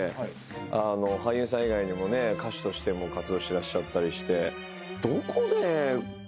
俳優さん以外にも歌手としても活動してらっしゃったりして。